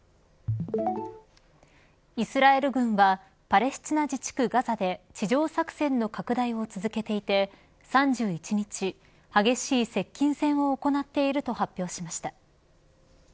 イスラエル軍はパレスチナ自治区ガザで地上作戦の拡大を続けていて３１日、激しい接近戦を行っていると発表しました。